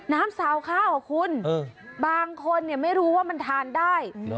น้ำซาวข้าวหรอคุณบางคนเนี่ยไม่รู้ว่ามันทานได้